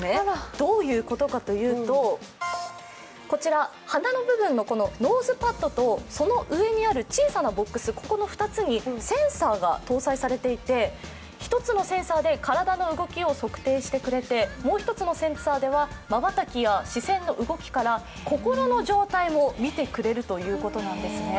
どういうことかというと、こちら鼻の部分のノーズパッドとその上にある小さなボックスの２つにセンサーが搭載されていて１つのセンサーで体の動きを測定してくれて、もう１つのセンサーではまばたきや視線の動きから心の状態を見てくれるということなんですね。